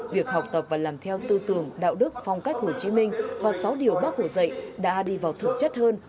việc học tập và làm theo tư tưởng đạo đức phong cách hồ chí minh và sáu điều bác hồ dạy đã đi vào thực chất hơn